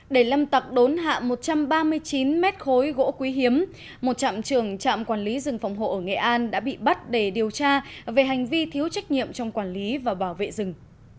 để lâm tặc đốn hạ một trăm ba mươi chín mét khối gỗ quý hiếm một trạm trường trạm quản lý rừng phòng hộ ở nghệ an đã bị bắt để điều tra về hành vi thiếu trách nhiệm trong quản lý và bảo vệ rừng